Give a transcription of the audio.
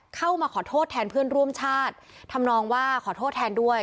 เข้ามาขอโทษแทนเพื่อนร่วมชาติทำนองว่าขอโทษแทนด้วย